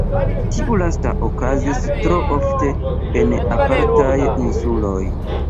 Tiu lasta okazis tro ofte en apartaj insuloj.